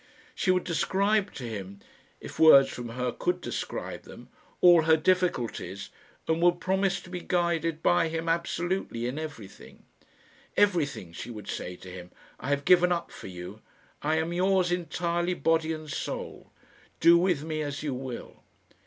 She would describe to him, if words from her could describe them, all her difficulties, and would promise to be guided by him absolutely in everything. "Everything," she would say to him, "I have given up for you. I am yours entirely, body and soul. Do with me as you will."